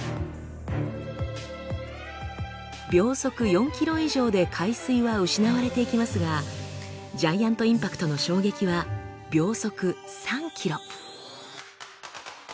秒速４ｋｍ以上で海水は失われていきますがジャイアント・インパクトの衝撃は秒速３ｋｍ。